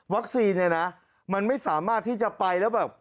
เนี่ยนะมันไม่สามารถที่จะไปแล้วแบบ